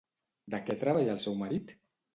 De què treballa el seu marit?